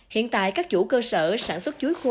hiện tại các chủ cơ sở sản xuất chuối khô